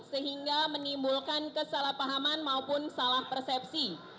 sehingga menimbulkan kesalahpahaman maupun salah persepsi